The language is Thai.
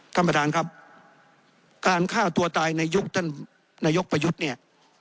ท่านประธานครับการฆ่าตัวตายในยุคท่านนายกประยุทธ์เนี่ย